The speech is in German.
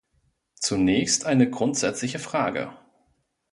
Zunächst eine grundsätzliche Frage.